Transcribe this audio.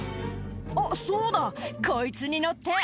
「あっそうだこいつに乗って」